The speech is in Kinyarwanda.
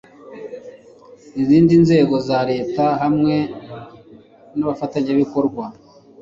izindi nzego za leta hamwe n'abafatanyabikorwa